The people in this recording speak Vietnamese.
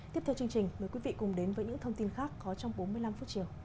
tiếp theo chương trình mời quý vị cùng đến với những thông tin khác có trong bốn mươi năm phút chiều